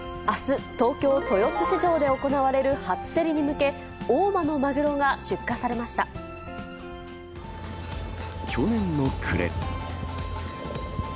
あす、東京豊洲市場で行われる初競りに向け、大間のマグロが出荷されま去年の暮れ。